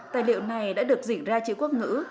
tài liệu này đã được dịch ra chữ quốc ngữ